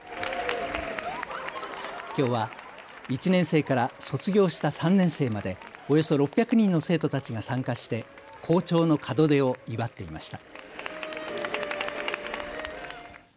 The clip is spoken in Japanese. きょうは１年生から卒業した３年生までおよそ６００人の生徒たちが参加して校長の門出を祝っていました。